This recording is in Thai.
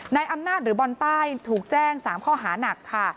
นายอำนาจหรือบอลใต้ถูกแจ้ง๓ข้อหานักค่ะ